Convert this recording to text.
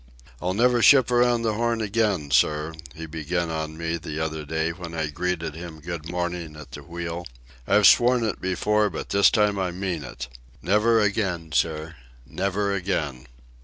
"I'll never ship around the Horn again, sir," he began on me the other day when I greeted him good morning at the wheel. "I've sworn it before, but this time I mean it. Never again, sir. Never again."